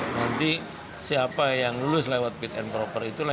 nanti siapa yang lulus lewat fit and proper itulah